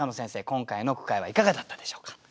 今回の句会はいかがだったでしょうか？